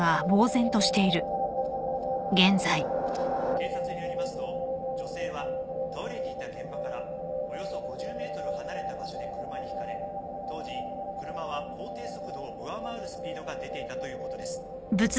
警察によりますと女性は倒れていた現場からおよそ５０ｍ離れた場所で車にひかれ当時車は法定速度を上回るスピードが出ていたということです。